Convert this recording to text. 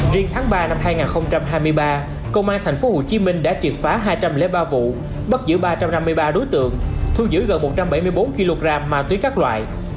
riêng tháng ba năm hai nghìn hai mươi ba công an tp hcm đã triệt phá hai trăm linh ba vụ bắt giữ ba trăm năm mươi ba đối tượng thu giữ gần một trăm bảy mươi bốn kg ma túy các loại